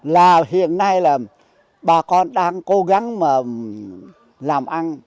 là hiện nay là bà con đang cố gắng mà làm ăn